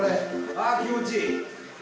あ気持ちいい。